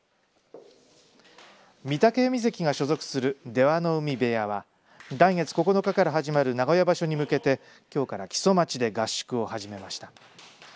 御嶽海関が所属する出羽海部屋は来月９日から始まる名古屋場所に向けてきょうから木曽町で合宿を始めました。